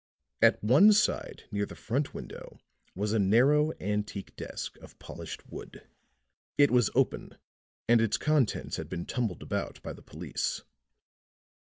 At one side near the front window was a narrow antique desk of polished wood; it was open, and its contents had been tumbled about by the police.